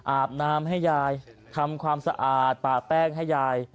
อาบน้ำให้ยายทำความสะอาดป่าแป้งให้ยาย